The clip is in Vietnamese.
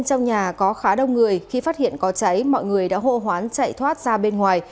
trong nhà có khá đông người khi phát hiện có cháy mọi người đã hộ hoán chạy thoát ra bên ngoài